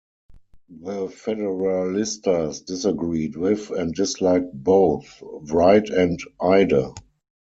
The Federalistas disagreed with and disliked both Wright and Ide.